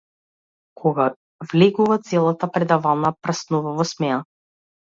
Кога влегува, целата предавална прснува во смеа.